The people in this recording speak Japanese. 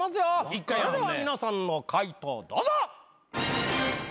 それでは皆さんの解答どうぞ！